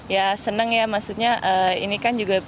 ya seneng ya maksudnya